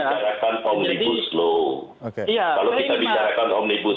kalau kita bicarakan omnibus